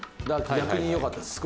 逆によかったです。